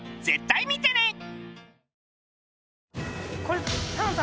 絶対見てね。